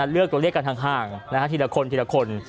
เลือกตัวเลขกันห่างทีละคนทีละคน